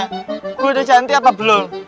gue udah cantik apa belum